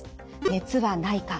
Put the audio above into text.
熱はないか